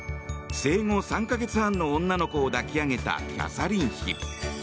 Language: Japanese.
生後３か月半の女の子を抱き上げたキャサリン妃。